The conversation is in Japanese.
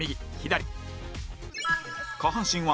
下半身は